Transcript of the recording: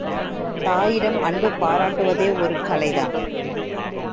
தாயிடம் அன்பு பாராட்டுவதே ஒரு கலை தான்.